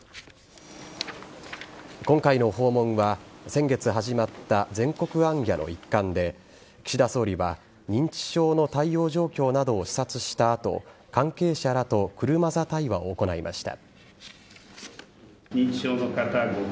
今回の訪問は先月始まった全国行脚の一環で岸田総理は認知症の対応状況などを視察した後関係者らと車座対話を行いました。